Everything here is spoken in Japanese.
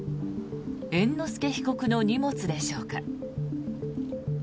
猿之助被告の荷物でしょうか。